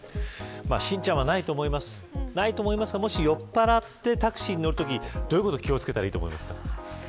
心ちゃんはないと思いますがもし酔っぱらってタクシーに乗るときどういうことに気を付けたらいいと思いますか。